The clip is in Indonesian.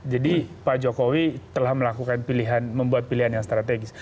jadi pak jokowi telah melakukan pilihan membuat pilihan yang strategis